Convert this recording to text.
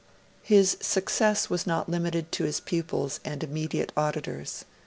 His success was not limited to his pupils and immediate auditors.